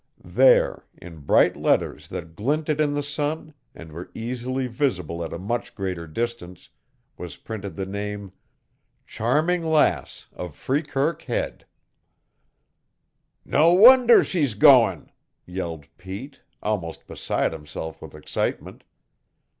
There, in bright letters that glinted in the sun and were easily visible at a much greater distance, was printed the name: CHARMING LASS OF FREEKIRK HEAD "No wonder she's goin'!" yelled Pete, almost beside himself with excitement.